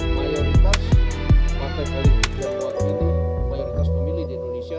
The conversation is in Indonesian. mayoritas partai politik yang keluar gini mayoritas pemilih di indonesia